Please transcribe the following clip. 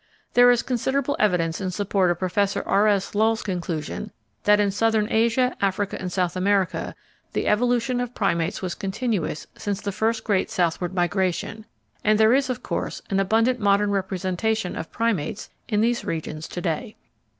There is considerable evidence in support of Professor R. S. Lull's conclusion, that in Southern Asia, Africa, and South America the evolution of Primates was continuous since the first great southward migration, and there is, of course, an abundant modern representation of Primates in these regions to day.